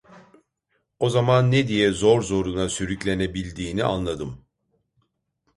O zaman ne diye zor zoruna sürüklenebildiğini anladım.